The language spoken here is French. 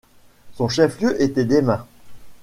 Son chef-lieu était Demmin.